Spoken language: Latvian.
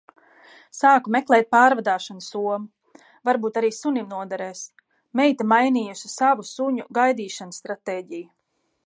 Sāku meklēt pārvadāšanas somu. Varbūt arī sunim noderēs. Meita mainījusi savu suņa gaidīšanas stratēģiju.